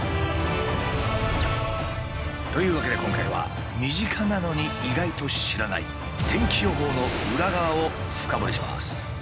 というわけで今回は身近なのに意外と知らない天気予報のウラ側を深掘りします。